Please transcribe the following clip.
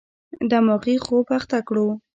دماغي خوب اخته کړو.